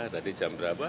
tadi jam berapa